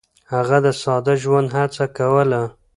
هغه د ساده ژوند هڅه کوله.